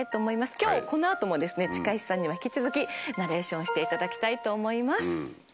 今日この後もですね近石さんには引き続きナレーションをしていただきたいと思います。